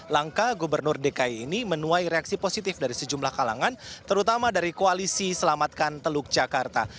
langkah gubernur dki ini menuai reaksi positif dari sejumlah kalangan terutama dari koalisi selamatkan teluk jakarta